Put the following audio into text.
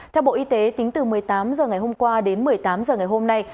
theo bộ y tế tính từ một mươi tám h ngày hôm qua đến một mươi tám h ngày hôm nay